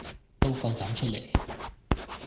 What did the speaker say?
都夠膽出嚟